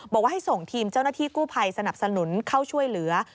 บอกว่าให้ส่งทีมเจ้าหน้าที่กู้ภัยสนับสนุนเข้าช่วยเหลือ